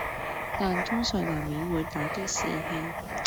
但通常難免會打擊士氣